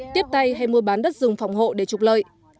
tiếp tay hay mua bán đất rừng phòng hộ để trục lợi